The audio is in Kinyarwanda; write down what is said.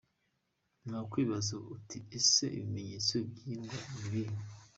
Wakwibaza uti ese ibimenyetso by’iyi ndwara ni ibihe?.